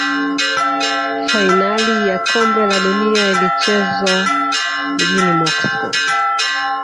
fainali ya kombe la dunia ilichezwa mjini moscow